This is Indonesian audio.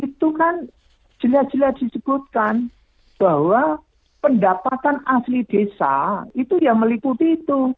itu kan jelas jelas disebutkan bahwa pendapatan asli desa itu ya meliputi itu